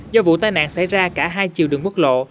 do vụ tai nạn xảy ra cả hai chiều đường quốc lộ